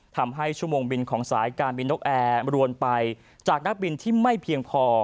ทำให้ชั่วโมงบินของสายการบินนกแอร์รวมไปจากนักบินที่ไม่เพียงพอ